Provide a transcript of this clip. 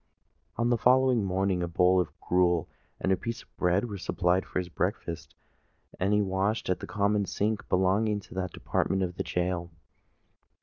On the following morning a bowl of gruel and a piece of bread were supplied for his breakfast; and he washed at the common sink belonging to that department of the gaol.